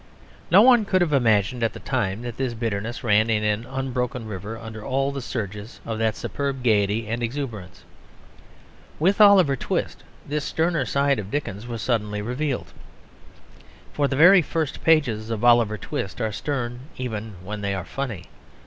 No one could have imagined at the time that this bitterness ran in an unbroken river under all the surges of that superb gaiety and exuberance. With Oliver Twist this sterner side of Dickens was suddenly revealed. For the very first pages of Oliver Twist are stern even when they are funny.